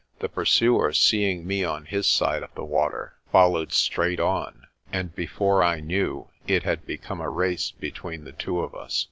The pursuer, seeing me on his own side of the water, followed straight on; and before I knew it had become a race between the two of us.